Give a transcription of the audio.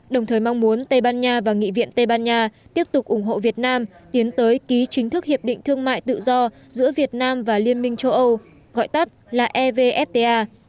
đồng thời mong muốn tây ban nha và nghị viện tây ban nha tiếp tục ủng hộ việt nam tiến tới ký chính thức hiệp định thương mại tự do giữa việt nam và liên minh châu âu gọi tắt là evfta